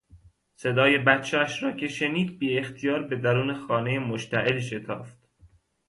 صدای بچهاش را که شنید بیاختیار به درون خانهی مشتعل شتافت.